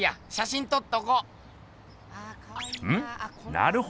なるほど。